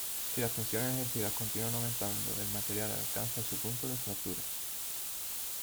Si las tensiones ejercidas continúan aumentando el material alcanza su punto de fractura.